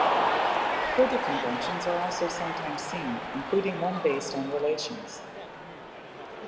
Further conventions are also sometimes seen, including one based on relations.